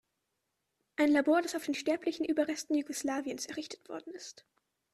Ein Labor, das auf den sterblichen Überresten Jugoslawiens errichtet worden ist!